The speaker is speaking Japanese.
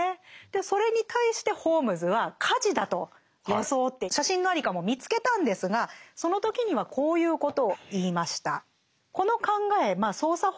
それに対してホームズは火事だと装って写真の在りかも見つけたんですがその時にはこういうことを言いました。